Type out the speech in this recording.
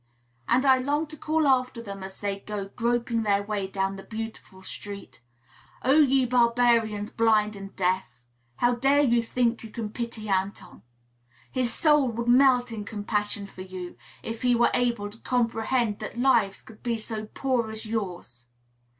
And I long to call after them, as they go groping their way down the beautiful street, "Oh, ye barbarians, blind and deaf! How dare you think you can pity Anton? His soul would melt in compassion for you, if he were able to comprehend that lives could be so poor as yours.